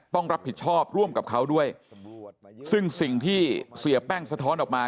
ต้องรับผิดชอบร่วมกับเขาด้วยซึ่งสิ่งที่เสียแป้งสะท้อนออกมา